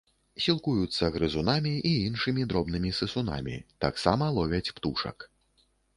Сілкуюцца грызунамі і іншымі дробнымі сысунамі, таксама ловяць птушак.